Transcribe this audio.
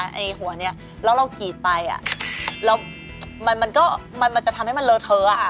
ไอ้หัวนี้แล้วเรากรีดไปแล้วมันก็มันจะทำให้มันเลอเทอะ